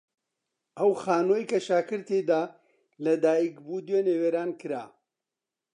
ئەو خانووەی کە شاکر تێیدا لەدایک بوو دوێنێ وێران کرا.